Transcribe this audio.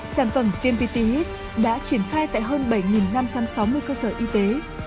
sản phẩm vmpt his đã triển khai tại hơn bảy năm trăm sáu mươi cơ sở y tế